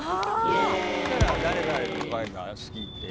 そしたら誰々の回が好きって。